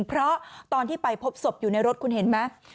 เพราะตอนที่ไปพบศพอยู่ในรถคุณเห็นไหม